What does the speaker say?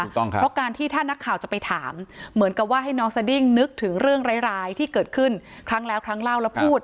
เพราะการที่ถ้านักข่าวจะไปถามเหมือนกับว่าให้น้องสดิ้งนึกถึงเรื่องร้ายที่เกิดขึ้นครั้งแล้วครั้งเล่าแล้วพูด